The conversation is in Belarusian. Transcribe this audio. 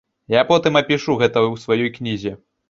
Я потым апішу гэта ў сваёй кнізе.